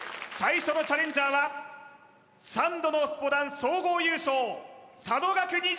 最初のチャレンジャーは３度のスポダン総合優勝佐野岳